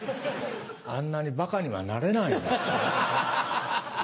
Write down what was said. あんなにバカにはなれないんですよ。